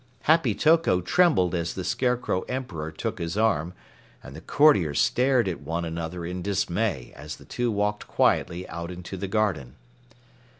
Happy Toko trembled as the Scarecrow Emperor took his arm, and the courtiers stared at one another in dismay as the two walked quietly out into the garden.